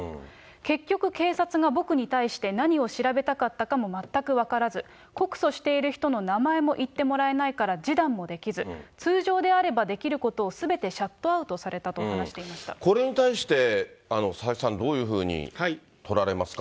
結局、警察が僕に対して何を調べたかったかも全く分からず、告訴している人の名前も言ってもらえないから、示談もできず、通常であればできることをすべてシャットアウトされたと話していこれに対して、佐々木さん、どういうふうに取られますか。